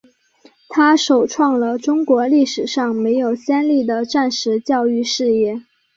它首创了中国历史上没有先例的战时教育事业。